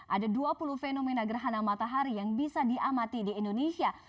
ada dua puluh fenomena gerhana matahari yang bisa diamati di indonesia